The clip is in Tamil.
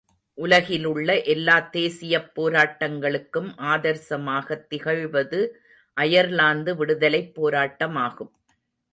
உலகிலுள்ள எல்லாத் தேசியப் போராட்டங்களுக்கும் ஆதர்சமாகத் திகழ்வது அயர்லாந்து விடுதலைப் போராட்டமாகும்.